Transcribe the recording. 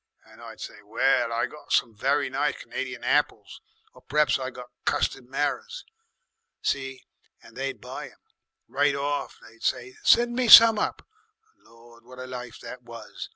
and I'd say, 'Well, I got some very nice C'nadian apples, 'or p'raps I got custed marrers. See? And they'd buy 'em. Right off they'd say, 'Send me some up.' Lord! what a life that was.